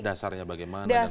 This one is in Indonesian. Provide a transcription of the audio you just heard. dasarnya bagaimana dan sebagainya